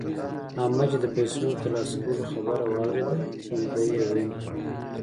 احمد چې د پيسو د تر لاسه کولو خبره واورېده؛ تندی يې ورين کړ.